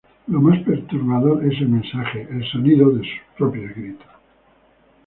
Lo más perturbador es el mensaje: ¡el sonido de sus propios gritos!.